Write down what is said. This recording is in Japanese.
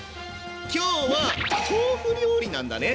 今日は豆腐料理なんだね？